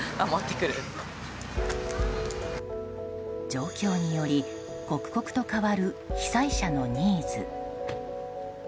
状況により刻々と変わる被災者のニーズ。